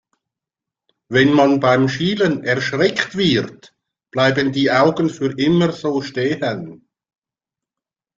Wenn man beim Schielen erschreckt wird, bleiben die Augen für immer so stehen.